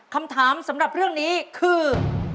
คำถามสำหรับเรื่องนี้คือ